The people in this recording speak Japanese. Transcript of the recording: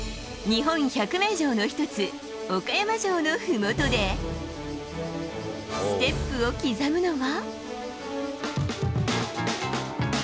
日本百名城の一つ、岡山城のふもとで、ステップを刻むのは。